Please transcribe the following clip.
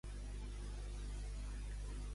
Com anava a les trobades Axiotea?